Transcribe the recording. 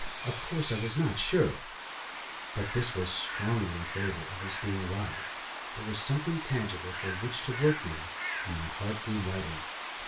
Of course I was not sure, but this was strongly in favour of his being alive. There was something tangible for which to work now, and my heart grew lighter.